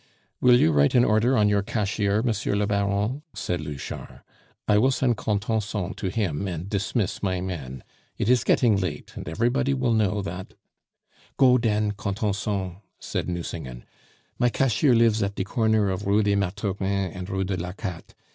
"Will you write an order on your cashier, Monsieur le Baron?" said Louchard. "I will send Contenson to him and dismiss my men. It is getting late, and everybody will know that " "Go den, Contenson," said Nucingen. "My cashier lives at de corner of Rue des Mathurins and Rue de l'Arcate.